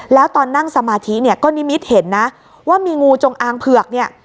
แล้วตอนนั่งสมาธิเนี่ยก็นิมิตเห็นนะว่ามีงูจงอางเผือกเนี่ย